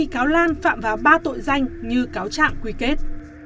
có tội danh như cáo trạng quy kết